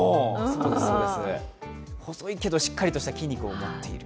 細いけど、しっかりした筋肉を持っている。